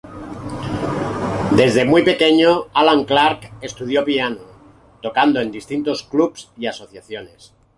Desde muy pequeño, Alan Clark estudió piano; tocando en distintos clubs y asociaciones.